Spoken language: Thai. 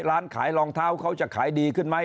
ร้านขายรองเท้าเขาจะขายดีขึ้นไหม